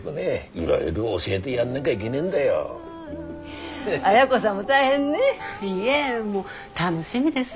いえもう楽しみです。